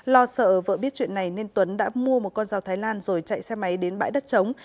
lo sợ vợ biết chuyện này nên tuấn đã mua một con dao thái lan rồi chạy xe máy đến bãi đất chống